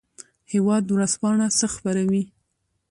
هیواد ورځپاڼه څه خپروي؟